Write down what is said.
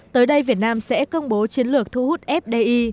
tới đây việt nam sẽ công bố chiến lược thu hút fdi